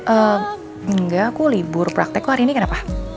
engga aku libur praktek kok hari ini kenapa